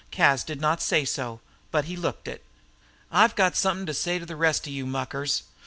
Cas did not say so, but he looked it. "I've got somethin' to say to the rest of you muckers.